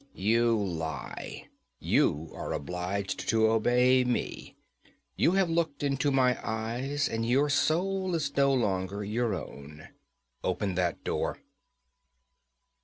'You lie! You are obliged to obey me! You have looked into my eyes, and your soul is no longer your own. Open that door!'